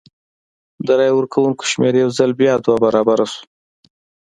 د رای ورکوونکو شمېر یو ځل بیا دوه برابره شو.